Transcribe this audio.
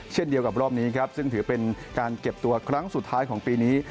เช่นเดียวกับรอบนี้ครับซึ่งถือเป็นการเก็บตัวครั้งสุดท้ายของปีนี้